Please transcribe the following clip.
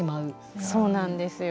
そうなんですよ。